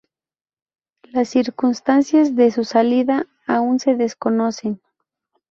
Las circunstancias de su salida aún se desconocen.